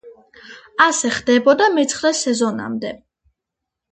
ასე ხდებოდა მეცხრე სეზონამდე.